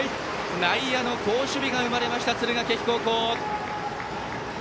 内野の好守備が生まれました敦賀気比高校。